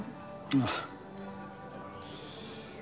ああ。